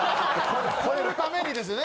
超えるためにですよね。